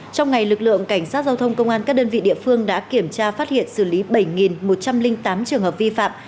trong ngày lực lượng cảnh sát giao thông công an các đơn vị địa phương đã kiểm tra phát hiện xử lý bảy một trăm linh tám trường hợp vi phạm